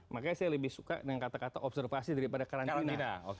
makanya saya lebih suka dengan kata kata observasi daripada karantina